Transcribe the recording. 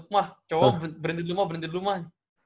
mah coba berhenti dulu mah berhenti dulu mah